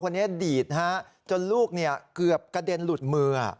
คนเนี้ยดีดฮะจนลูกเนี้ยเกือบกระเด็นหลุดมืออ่ะ